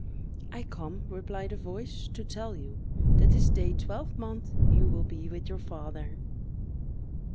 "I come," replied a voice, "to tell you, that this day twelvemonth you will be with your father!"